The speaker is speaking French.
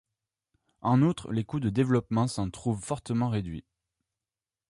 En outre les coûts de développement s'en trouvaient fortement réduits.